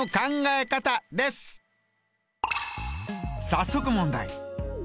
早速問題。